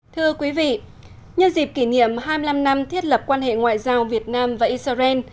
thưa quý vị nhân dịp kỷ niệm hai mươi năm năm thiết lập quan hệ ngoại giao việt nam và israel